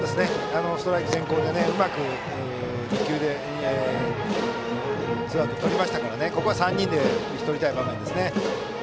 ストライク先行でうまく２球でツーアウトをとったのでここは３人で打ち取りたい場面ですね。